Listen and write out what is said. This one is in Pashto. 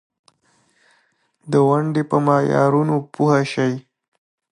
لکه خوب او ارمان ته دې چې څوک نږدې کوي.